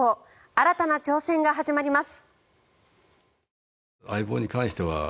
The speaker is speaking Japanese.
新たな挑戦が始まります。